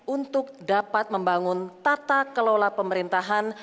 untuk dapat membangun tata kelola pemerintahan